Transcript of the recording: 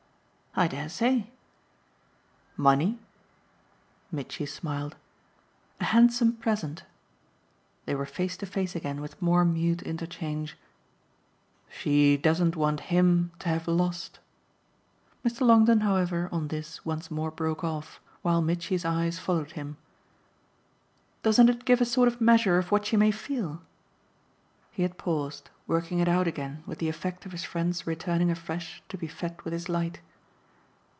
"I dare say!" "Money?" Mitchy smiled. "A handsome present." They were face to face again with more mute interchange. "She doesn't want HIM to have lost !" Mr. Longdon, however, on this, once more broke off while Mitchy's eyes followed him. "Doesn't it give a sort of measure of what she may feel ?" He had paused, working it out again with the effect of his friend's returning afresh to be fed with his light.